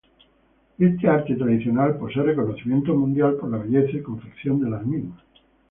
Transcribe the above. Este arte tradicional posee reconocimiento mundial por la belleza y confección de las mismas.